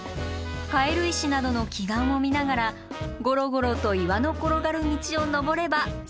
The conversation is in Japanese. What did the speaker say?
カエル石などの奇岩を見ながらゴロゴロと岩の転がる道を登れば山頂です。